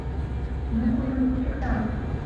Мо кужун вучыкта!